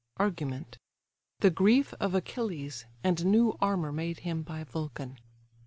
ARGUMENT. THE GRIEF OF ACHILLES, AND NEW ARMOUR MADE HIM BY VULCAN.